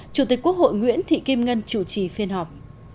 chủ tịch quốc hội nguyễn thị kim ngân chủ trì phiên họp